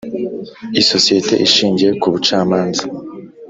isosiyete ishingiye kubucamanza.